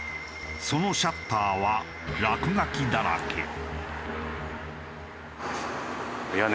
そのシャッターは落書きだらけ。